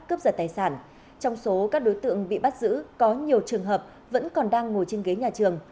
cướp giật tài sản trong số các đối tượng bị bắt giữ có nhiều trường hợp vẫn còn đang ngồi trên ghế nhà trường